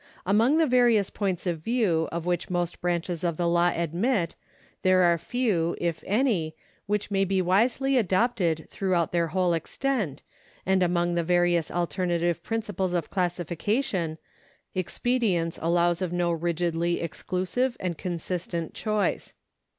Among the various points of view of which most branches of the law admit, there are few, if any, which may be wisely adopted throughout their whole extent, and among the various alternative principles of classification, expedience allows of no rigidly exclusive and consistent choice.